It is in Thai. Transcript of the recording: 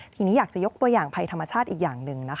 ทีนี้อยากจะยกตัวอย่างภัยธรรมชาติอีกอย่างหนึ่ง